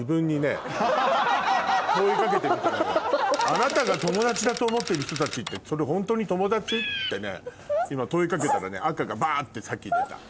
あなたが友達だと思ってる人たちってそれホントに友達？って今問い掛けたらね赤がバってさっき出た。